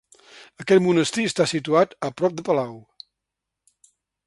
Aquest monestir està situat a prop de palau.